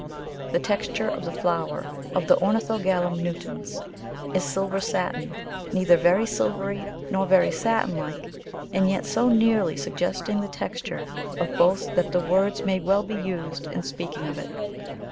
The texture of the flower of Ornithogalum nutans is silver satin, neither very silvery nor very satin like, and yet so nearly suggesting the texture of both that the words may well be used in speaking of it.